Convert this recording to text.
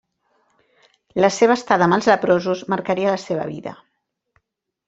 La seva estada amb els leprosos marcaria la seva vida.